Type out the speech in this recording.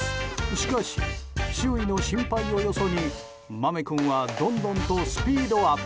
しかし、周囲の心配をよそに豆君はどんどんとスピードアップ。